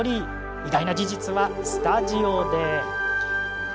意外な事実はスタジオで。